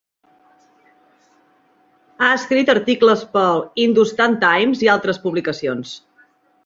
Ha escrit articles pel "Hindustan Times" i altres publicacions.